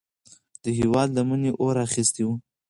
د هیواد لمنې اور اخیستی و.